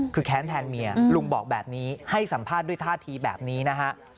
คือแค้นแทนเมียลุงบอกแบบนี้ให้สัมภาษณ์ด้วยท่าทีแบบนี้นะฮะ